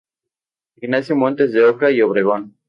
Ignacio Montes de Oca y Obregón.